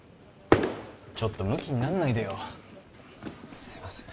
ちょっとむきになんないでよすいません